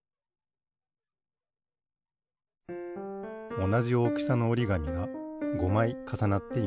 おなじおおきさのおりがみが５まいかさなっています。